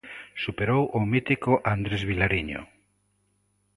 Superou o mítico Andrés Vilariño.